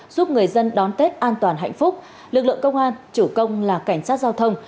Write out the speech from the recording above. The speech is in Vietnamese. giúp người dân đón tết an toàn hạnh phúc lực lượng công an chủ công là cảnh sát giao thông